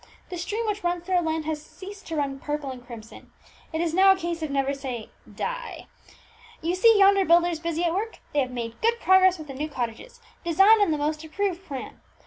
The stream which runs through our land has ceased to run purple and crimson; it is now a case of 'Never say dye.' You see yonder builders busy at work? They have made good progress with the new cottages, designed on the most approved plan.